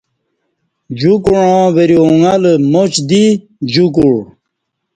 جوکُعاں وری اُݣہ لہ ماچ دی جوکُع